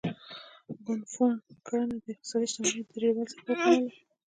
ګزنفون کرنه د اقتصادي شتمنۍ د ډیروالي سبب ګڼله